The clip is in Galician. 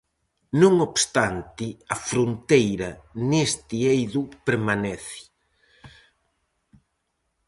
Non obstante, a fronteira neste eido permanece.